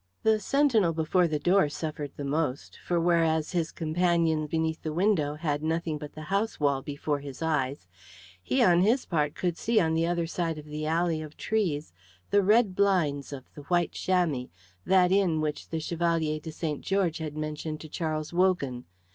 The sentinel before the door suffered the most, for whereas his companion beneath the window had nothing but the house wall before his eyes, he, on his part, could see on the other side of the alley of trees the red blinds of "The White Chamois," that inn which the Chevalier de St. George had mentioned to Charles Wogan.